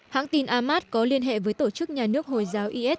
hãng tin ahmad có liên hệ với tổ chức nhà nước hồi giáo is